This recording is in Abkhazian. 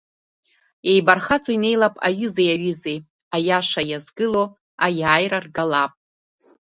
Иеибархаҵо инеилап аҩызеи аҩызеи, аиаша иазгыло аиааира ргалап.